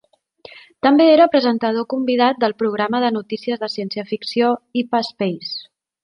També era presentador convidat del programa de notícies de ciència-ficció "HypaSpace".